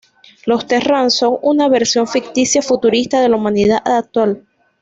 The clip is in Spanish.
Los Terran son una versión ficticia futurista de la humanidad actual.